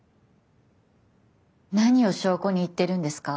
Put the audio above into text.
何を証拠に言ってるんですか？